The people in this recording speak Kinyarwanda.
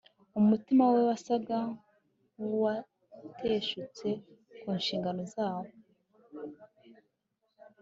Umutima we wasaga nkuwateshutse ku nshingano zawo